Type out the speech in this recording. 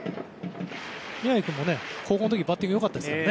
宮城君も高校の時バッティングが良かったですから。